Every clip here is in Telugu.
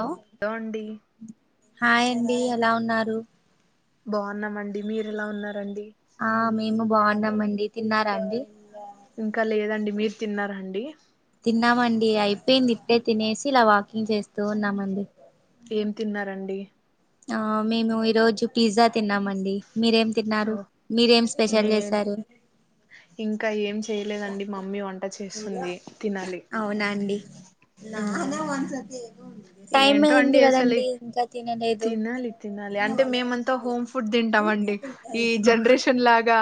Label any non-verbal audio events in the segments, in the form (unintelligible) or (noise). (unintelligible) అండి హాయండి ఎలా ఉన్నారు బాగున్నామండి మీరు ఎలా ఉన్నారండి ఆ మేము బాగున్నాం అండి తిన్నారా అండి ఇంకా లేదండి మీరు తిన్నారండి తిన్నామండి అయిపోయింది ఇట్టే తినేసి ఇలా వాకింగ్ చేస్తూ ఉన్నామండి ఏం తిన్నారండి ఆ మేము ఈరోజు పిజ్జా తిన్నామండి మీరేం ఓ తిన్నారు మీరేం నే స్పెషల్ చేశారు ఇంకా ఏం చేయలేదండి మమ్మీ వంట చేస్తుంది తినాలి అవునా అండి ఉమ్ (unintelligible) టైం ఏంటో అండి అయింది ఎసలి కదండి ఇంకా తినలేదు తిన్ తినాలి తినాలి అంటే మేమంతా హోమ్ ఫుడ్ తింటాము అండి ఈ జన్‌రేషన్ లాగా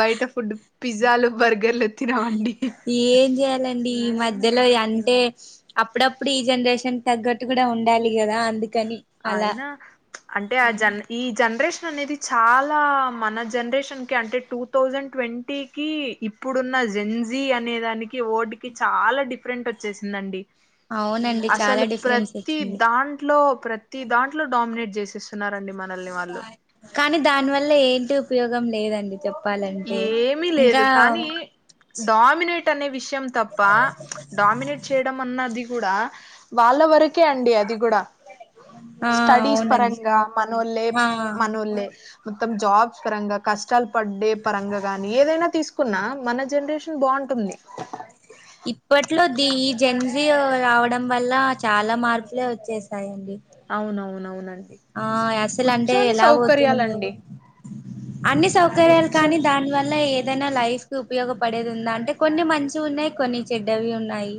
బయట ఫుడ్ పిజ్జాలు, బర్గర్లు తినవండి ఏం చేయాలండి ఈ మధ్యలో యంటే అప్పుడప్పుడు ఈ జన్‌రేషన్ తగ్గట్టు కూడా ఉండాలి కదా అందుకని అలా అయినా అంటే ఆ జన్ ఈ జన్‌రేషన్ అనేది చాలా మన జన్‌రేషన్ కి అంటే టూ థౌజండ్ ట్వంటీకిి ఇ ఇప్పుడున్న జెన్ జీ అనే దానికి వోటికి చాలా డిఫరెంట్ వచ్చేసిందండి. అవునండి అసలు చాలా డిఫరెన్స్ ప్రతీ వచ్చింది దాంట్లో ప్ర ప్రతిదాంట్లో డామినేట్ చేసేస్తున్నారండి మనల్ని వాళ్ళు. కానీ దానివల్ల ఏంటి ఉపయోగం లేదండి చెప్ ఏమిలేదు కానీ, డామినేట్ అనే విషయం తప్ప డామినేట్ చేయడం అన్నది కూడా వాళ్ళ వరకే అండి అది గూడా. ఆ స్టడీస్ అవునండి పరంగా మనోల్లె, ఆ మనోల్లె మొత్తం జాబ్స్ పరంగా కష్టాలు‌ పడ్డే పరంగా గాని ఏదైనా తీసుకున్నా మన జన్‌రేషన్ బాగుంటుంది. (inaudible) ఇప్పట్లో ది ఈ జన్సీయో రావడం వల్ల చాలా మార్పులే వచ్చేసాయండి. అవునవునవునండి. ఆ య అస్సలు అంటే కూర్చొని ఎలా పోతుందో. సౌకర్యాలండి అన్ని సౌకర్యాలు కానీ కూర్చొని దానివల్ల ఏదైనా లైఫ్ ఉపయోగపడేది ఉందా అంటే కొన్ని మంచివి ఉన్నాయి, కొన్ని చెడ్డవి ఉన్నాయి.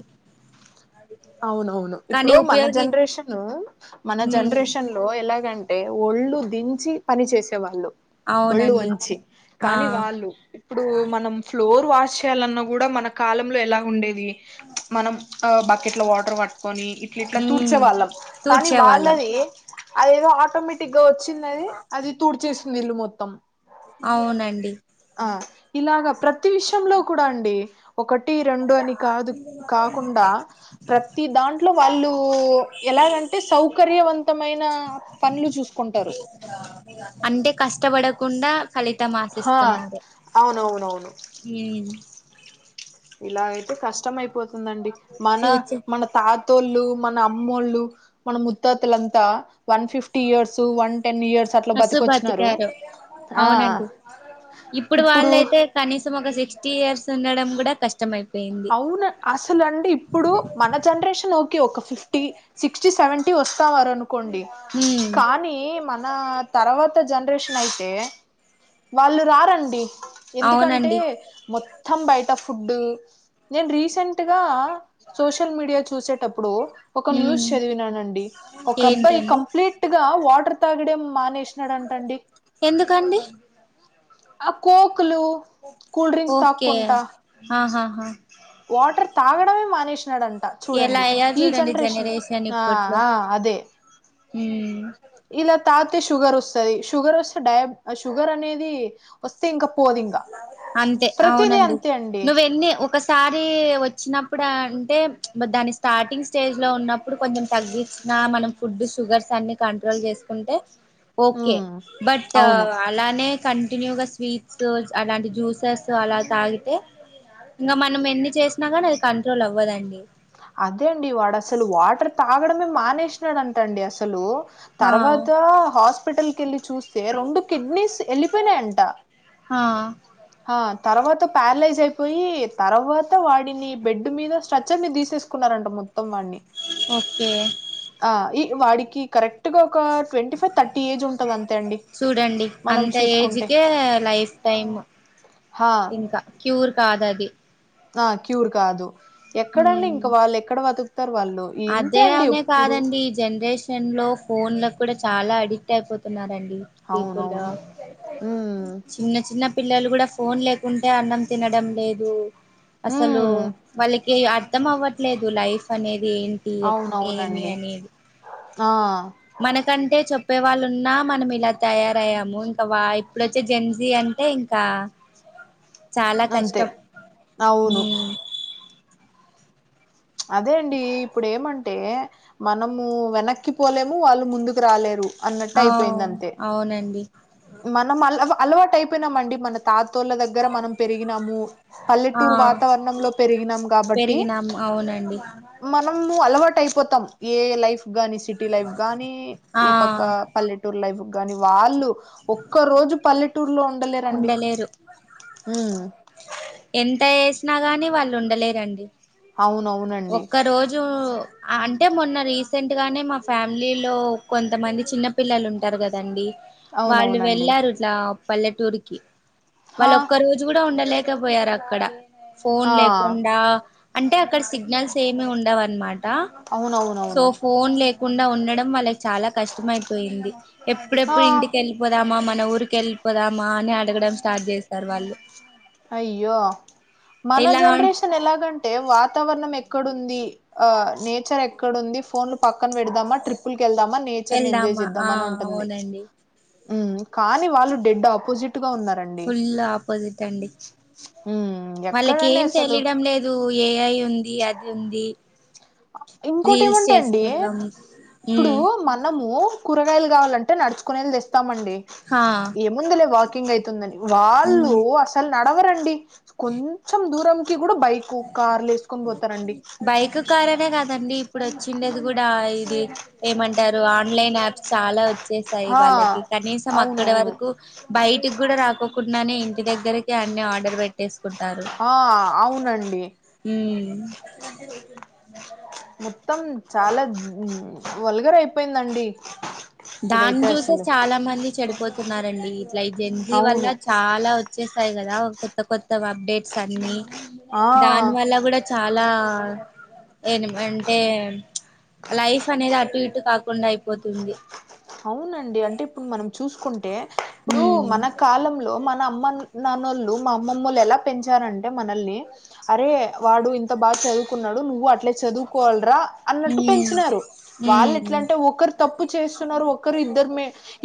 అవునవును కానీ ఇప్పుడు మన ఉపయోగి జనరేషను, మన ఉమ్ జనరేషన్ లో ఎలాగంటే ఒళ్ళు దించి పని చేసే వాళ్ళు. ఒళ్ళు అవునండి వంచి ఆ కానీ వాళ్ళు ఇప్పుడు మనం ఫ్లోర్ వాష్ చేయాలన్నా కూడా మన కాలంలో ఎలా ఉండేది మనం ఆ బక్ ఇట్లా వాటర్ పట్టుకొని ఇట్లా ఇట్లా తూడ్చే ఉమ్ వాళ్ళం, కానీ తూడ్చేవాళ్ళం వాళ్ళది అదేదో ఆటోమేట్‌ టిగా వచ్చిందిఅది అది తూడ్చేస్తుంది ఇల్లు మొత్తం. అవునండి. ఆ ఇలాగ ప్రతి విషయంలో కూడా అండి. ఒకటి, రెండు అని కాదు కాకుండా ప్రత్తి దాంట్లో వాళ్ళు ఎలాగంటే సౌకర్యవంతమైన పనిలు చూసుకుంటరు. అంటే కష్టపడకుండా ఫలితం హా ఆశిస్తున్నరు. అవునవునవును హ్ ఇలా అయితే కష్టం అయిపోతుందండి, మన ఫ్యూచర్ మన తతోల్లు, మన అమ్మోళ్ళు. మన ముత్తాతలంతా one fifty years, one ten years అట్లా ఇయర్స్ బతికొచ్చినారు బతికారు ఆ అవునండి. ఇప్పుడు వాళ్ళైతే కనీసం ఒక సిక్స్టీ ఇయర్స్ ఉండడం కూడా కష్టంమయిపోయింది. అవునా అసలు అండి ఇప్పుడు మన జన్‌రేషన్ ఒకే ఒక ఫిఫ్టీ సిక్స్టీ సెవెంటీ వస్తావారు అనుకోండి ఉమ్ కానీ మనా తర్వాత జన్‌రేషన్ అయితే వాళ్ళు రారండి. ఎందుకంటే అవునండి మొత్తం బయట ఫుడ్డు, నేను రీసెంట్గా సోషల్ మీడియా చూసేటప్పుడు ఒక ఉమ్ న్యూస్ చదివినానండి, ఒక అబ్బాయి ఏంటండి కంప్లీట్ ట్గా వాటర్ తాగాడేం మానేశినాడంటండి. ఎందుకండి. అ కోక్లు ఒకే అ హా హా. వాటర్ తాగడమే మానేశి నాడంటా. ఎలా చూడండి అయ్యారు ఈ చూడండి జనరేషన్ ఆ ఆ అదే హ్మ్ ఇలా తాతే షుగర్ వస్తది షుగర్ వస్తే డయాబ్ షుగర్ అనేది వస్తే ఇంకా పోదు ఇంగ అంతే అవునండి నువెన్ని ఓ ఒక్కసారి వచ్చినప్పుడు అంటే అబ్బా దాన్ని స్టార్టింగ్ స్టేజ్ లో ఉన్నప్పుడు కొంచెం తగ్గిచ్చి నా మనం ఫుడ్ షుగర్స్ అన్ని కంట్రోల్ చేసుకుంటే ఒక్కే ఉమ్ భట్టు అవును అలానే కంటిన్యూగా స్వీట్స్ అలాంటి జ్యూసెస్ అలా తాగితే ఇంకా మనం ఎన్ని చేసినా కానీ అది కంట్రోల్ అవ్వదండి అదే అండి వాడు అస్సలు వాటర్ తాగడమే మానేసినాడంట అండి అస్సలు ఆ తర్వాత హాస్పిటల్ కెళ్ళి చూస్తే రెండు కిడ్నీస్ ఎల్లిపోయినై అంటా హ ఆ తర్వాత ప్యారలైజ్ అయిపోయి తర్వాత వాడిని బెడ్ మీద స్ట్రచర్నీ తీసేసుకొని కున్నారంట మొత్తం వాన్నీ ఓకే ఆ ఈ వాడికి కరెక్ట్ గా ఒక ట్వంటీ ఫైవ్ థర్టీ ఏజ్ ఉంటంది అంతే అండి మనం చూసుకుంటే టె లైఫ్ టైమ్ హా ఇంకా క్యూర్ కాదు అది అ క్యూర్ కాదు ఎక్కడండి ఇంకా ఉమ్ వాళ్ళు ఎక్కడ బతుకుతారు వాళ్ళు ఇంతే అదే అండి అనే ఎప్పుడు కాదండి జనరేషన్ లో ఫోన్లకు కూడా చాలా అడిక్ట్ అయిపోతున్నారండి పీపుల్ అవునవును ఉమ్ చిన్న చిన్న పిల్లలు గుడా ఫోన్ లేకుంటే అన్నం తినడం లేదు అసలు ఉమ్ వాళ్ళకి అర్థం అవ్వట్లేదు లైఫ్ అనేది ఏన్ టి ఏమి అవునవునండి అనేది ఆ మనకంటే చెప్పే వాళ్ళు ఉన్నా మనం ఇలా తయారయ్యాము ఇంకా వా ఇప్పుడొచ్చే జన్ జి అంటే ఇంకా చాలా అంతే కష్టం అవును హ్మ్ అదే అండి ఇప్పుడు ఏమంటే మనము వెనక్కి పోలేము వాళ్ళు ముందుకు రాలేరు అన్నట్ట ఆ అయిపోయింది అంతే అవునండి మనం అల అలవాటు అయిపోయినమండి మన తాతోళ్ల దగ్గర మనం పెరిగినము ఆ పల్లెటూరు వాతావరణంలో పెరిగినాం కాబట్టి పెరిగినాం అవునండి మనము అలవాటు అయిపోతాం ఏ లైఫ్ గాని సిటీ లైఫ్ గాని ఆ ఈ పక్క పల్లెటూర్ లైఫ్ గాని వాళ్ళు ఒక్క రోజు పల్లెటూరులో ఉం ఉండలేరు ఎంత ఏసినా గానీ వాళ్ళు ఉండలేరండి అవునవునండి ఒక్క రోజూ అంటే మొన్న రీసెంట్ గానే మా ఫ్యామిలీలో కొంతమంది చిన్న పిల్లలు ఉంటారు కదండి వాళ్ళు అవునవునండి వెళ్ళారు ఇట్లా పల్లెటూరుకిి వాళ్ళ హా ఒక్క రో జుగుడా ఉండలేకపోయారు అక్కడ ఫోన్ ఆ లేకుండా అంటే అక్కడ సిగ్నల్స్ ఏమి ఉండవు అన్నమాట సో అవునవునవును ఫోన్ లేక కుండా ఉండడం వాళ్ళకి చాలా కష్టంమయిపోయింది ఆ ఎప్పుడెప్పుడు ఇంటికెళ్ళి పోదామా మన ఊరికి వెళ్ళిపోదామా అని అడగడం స్టార్ట్ చేస్తారు వాళ్ళు అయ్యో మన ఇలా జనరేషన్ ఎలాగంటే వాతావరణం ఎక్కడుంది ఆ నేచర్ ఎక్కడుంది ఫోన్లు పక్కన పెడదామా ట్రిప్పులకి వెళ్దామన్ నేచర్ ని ఎంజాయ్ వెళ్దామా చేద్దాం ఆ అని ఉంటుంది అవునండి హ్మ్ కానీ వాళ్ళు డెడ్ ఆపోజిట్ గా ఉన్నారు ఫుల్ ఆపోజిట్ అండి ఉమ్ వాళ్ళకి ఎక్కడండి ఏం అసలు తెలియడం లేద్ దు ఏఐ ఉంది అది ఉంది ఇంకోటి రీల్స్ ఏమంటే అండి చేసుకుందాం ఇప్పుడూ ఉమ్ మనమూ కూరగాయలు కావాలంటే నడుచుకునెళ్లీ తెస్తామండి హా ఎముందులే వాకింగ్ అవుతుందని వాళ్ళు ఉమ్ అస్ సలు నడవరండి కొంచెం దూరంకి కూడా బైకు కార్లు వేసుకొ బైక్ కార్ అనే కదండి ఇప్పుడు వచ్చిండేది కూడా ఇది ఏమంటారు ఆన్లైన్ యాప్స్ చాలా వచ్చేసాయి హా వాళ్ళకి కనీసం అక్కడ అవునవును వరకు బయటికి కూడా రాకోకుండానే ఇంటి దగ్గరకి అన్ని ఆర్డర్ పెట్టేసుకుంటారు ఆ అవునండి హ్మ్ మొత్తం చాలా వల్గర్ అయి పోయిందండి దాన్ని ఇదైతే చూసే అసలు చాలా మంది చెడిపోతున్నారండి ఇట్లా ఈ జన్జీ వల్ల అవును చాలా వచ్చేసాయి కదా కొత్త కొత్త అప్డేట్స్ అన్ని ఆ దాని వల్ల కూడా చాలా ఏ అంటే లైఫ్ అనేది అటు ఇటు కాకుండా అయిపోతుంది అవునండి అంటే ఇప్పుడు మనం చూసుకుంటే ఇప్పుడు ఉమ్ మన కాలంలో మన అమ్మన్ నాన్నోళ్ళు మా అమ్మమ్మోళ్ళు ఎలా పెంచారంటే మనల్ని అరే వాడు ఇంత బాగా చదువుకున్నాడు నువ్వు అట్లే చదువుకోవలరా అన్నట్టు ఉమ్ పెంచినారు వాళ్ళ ఉమ్ ఎట్లంటే ఒకరు తప్పు చేస్ తున్నారు ఇద్దరు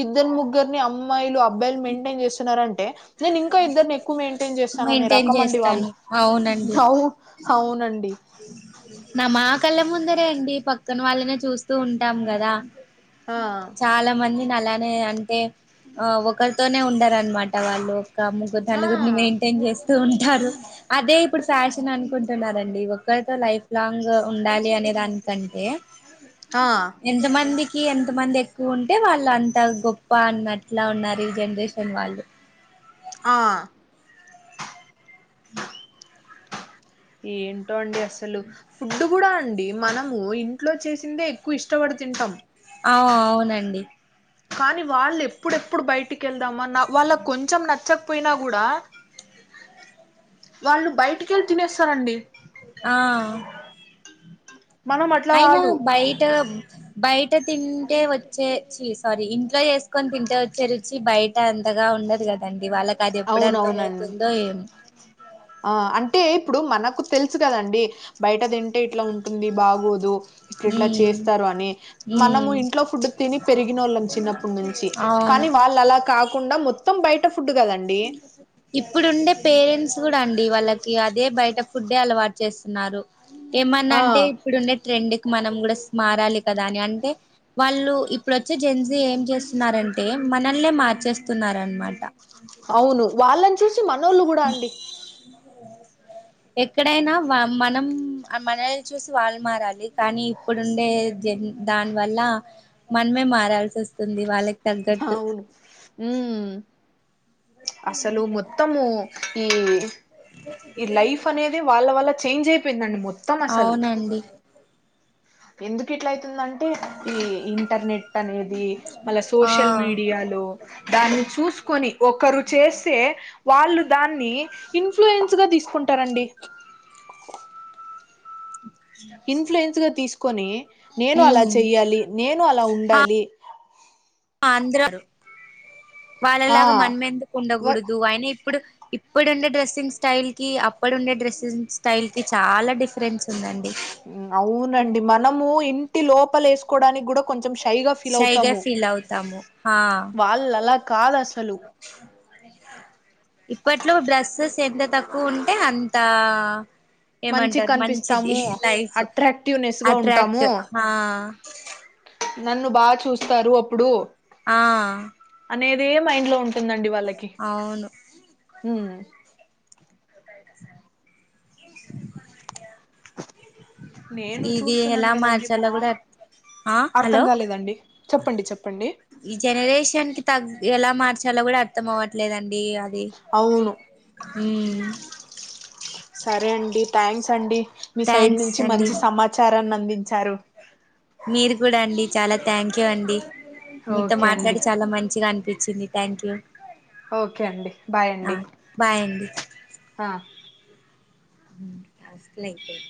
ఇద్దరు ముగ్గురిని అమ్మాయిలు అబ్బాయిలు మెయింటైన్ చేస్తున్నారు అంటే నేను ఇంకా ఇద్దరిని ఎక్కువ మెయింటైన్ చేస్తాననే మెయింటైన్ రకం అండి చేస్తాను వాళ్ళు అవునండి అవ్ అవునండి నా మా కళ్ళ ముందరే అండి పక్కన వాళ్ళనే చూస్తూ ఉంటాం కదా ఆ చాలా మందిని అలానే అంటే ఆ ఒకరితోనే ఉండరనమాట వాళ్ళు ఒక ముగ్గురు ఆ నలుగురిని మెయింటైన్ చేస్ స్తుంటారు అదే ఇప్పుడు ఫ్యాషన్ అనుకుంటున్నారండి ఒక్కరితో లైఫ్ లాంగ్ ఉండాలి అనే దానికంటే ఆ ఆ ఎంతమందికి ఎంతమంది ఎక్కువ ఉంటే వాళ్ళు అంత గొప్ప అన్నట్లా ఉన్నారు ఈ జనరేషన్ వాళ్ళు ఆ ఏంటో అండి అసలు ఫుడ్ కూడా అండి మనము ఇంట్లో చేసిందే ఎక్కువ ఇష్టపడి తింటాం ఆ అవునండి కానీ వాళ్ళు ఎప్పుడెప్పుడు బయటికి వెళ్దామా నా వాళ్ళ కొంచెం నచ్చకపోయినా కూడా వాళ్ళు బయటికెళ్ళి తినేస్తారండి ఆ మనం అట్లా అయినా కాదు బయట బయట తింటే వచ్చే చీ సారీ ఇంట్లో చేసుకొని తింటే వచ్చే రుచి బయ్ ట అంతగా ఉండదు కదండి వాళ్ళకి అది అవునవునండి ఎప్పుడర్థంమవుతుందో ఏమో ఆ అంటే ఇప్పుడు మనకు తెలుసు కదండి బయట తింటే ఇట్ల ఉంటుంది బాగోదు ఇట్ల ఇట్ల ఉమ్ చేస్తారు అని మనము ఉమ్ ఇంట్లో ఫుడ్ తిని పెరిగినోళ్ళము చిన్నప్పడు నుంచి అవును కానీ వాళ్ళలా కాకుండా మొత్తం బయట ఫుడ్ కదండి ఇప్పుడు ఉండే పేరెంట్స్ కూడా అండి వాళ్ళకి అదే బయట ఫుడ్డే అలవాటు చేస్తున్నారు ఏమన్న ఆ అంటే ఇప్పుడుండే ట్రెండ్ కి మనం కూడా మారాలి కదా అని అంటే వాళ్ళు ఇప్పుడు వచ్చే జెన్స్ ఏం చేస్తున్నారంటే మనల్నే మార్చేస్తున్నారన్నమాట అవును వాళ్ళని చూసి మనోళ్లు కూడా అండి ఎక్కడైనా వా మనం మనల్ని చూసి వాళ్ళు మారాలి కానీ ఇప్పుడు ఉండె జెన్ దాని వల్ల మనమే మారాల్సి వస్తుంది వాళ్ళక్ అవును ఊ అసలు మొత్తము ఈ ఈ లైఫ్ అనేది వాళ్ళ వల్ల చేంజ్ అయిపోయిందండి మొత్ అవునండి ఎందుకిట్లయితుందంటే ఈ ఇంటర్నెట్ నెట్ అనేది మళ్ళ ఆ సోషల్ మీడియాలో దాన్ని చూసుకొని ఒకరు చేస్తే వాళ్ళు దాన్ని ఇన్ఫ్లుయెన్స్ గా తీసుకుంటారండి ఇన్ఫ్లుయన్స్ గా తీసుకొని నేను అలా ఉమ్ చెయ్యాలి నేను అలా ఉండాలి ఆ అందరం ఆ వాళ్ళలాగా మనమెందుకు వ ఉండకూడదు అయినీప్పుడు ఇప్పుడుండే డ్రెస్సింగ్ స్టైల్ కి అప్పుడుండే డ్రెస్సింగ్ స్టైల్ కి చాలా డిఫరెన్స్ ఉందండి ఊ అవునండి మనము ఇంటి లోపల ఏసుకోవడానికి కూడా కొంచం షైగా ఫీల్ షైగా అవుతాము ఫీల్ అవుతాము హా వాళ్ళు అలా కాదు అసలు అదేగా ఇప్పట్లో డ్రెస్సెస్ ఎంత తక్కువ ఉంటే అంతా మంచి ఏమంటరు మంచిది కనిపిస్తాము లైఫ్ అట్రాక్టివ్నెస్ గా అట్రాక్ట్ ఉంటాము ఆ నన్ను బా చూస్తారు అప్పుడు ఆ అనేది మైండ్ లో ఉంటుందండి వాళ్ళకి అవును ఊ నేను ఇది చూస్తున్నాను ఎలా కదండి మార్చాలో మా కూడా ఆ అర్థం హలో కాలేదండి చెప్పండి చెప్పండి ఈ జనరేషన్ కి తగ్ ఎలా మార్చాలో కూడా అర్థమవ్వట్లేదండి అద్ అవును ఊ సరే అండి థ్యాంక్స్ అండి మీ సైడ్ థ్యాంక్స్ నుంచి అండి మంచి సమాచారానందించారు మీరు కూడా అండి చాలా థ్యాంక్ యూ అండి మీతో ఓకే అండి మాట్లాడి చాలా మంచిగా అనిపించింది థ్యాంక్ యూ ఓకే అండి బాయ్ అండి బాయ్ అండి ఆ అసలైతయి